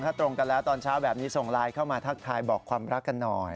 ถ้าตรงกันแล้วตอนเช้าแบบนี้ส่งไลน์เข้ามาทักทายบอกความรักกันหน่อย